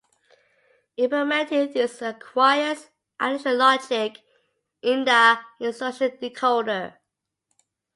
Implementing these requires additional logic in the instruction decoder.